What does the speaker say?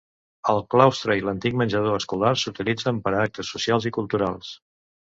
El claustre i l'antic menjador escolar s'utilitzen per a actes socials i culturals.